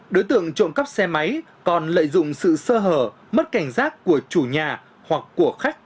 đối tượng trộm cắp xe máy còn lợi dụng sự sơ hở mất cảnh giác của chủ nhà hoặc của khách